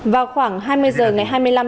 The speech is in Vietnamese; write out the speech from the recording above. vào khoảng hai mươi năm